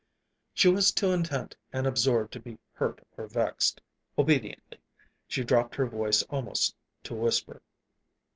She was too intent and absorbed to be hurt or vexed. Obediently she dropped her voice almost to a whisper.